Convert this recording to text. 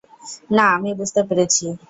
না, আমি বুঝতে পেরেছি।